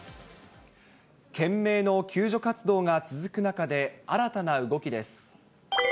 懸命の救助活動が続く中で、新たな動きです。